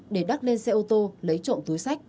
để đắc lên xe ô tô lấy trộm túi sách